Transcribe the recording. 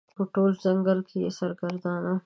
په ټول ځنګل کې یې سرګردانه